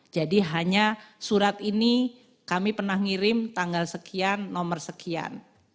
jadi hanya surat ini kami pernah ngirim tanggal sekian nomor sekian